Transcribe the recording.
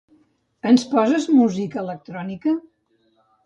Ens poses música electrònica?